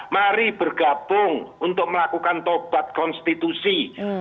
mari bergabung untuk melakukan tobat konstitusi